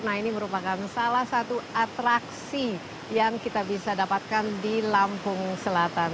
nah ini merupakan salah satu atraksi yang kita bisa dapatkan di lampung selatan